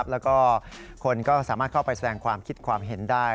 แล้วก็คนก็สามารถเข้าไปแสดงความคิดความเห็นได้